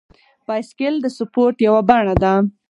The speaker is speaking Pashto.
بایسکل د سپورت یوه بڼه ده.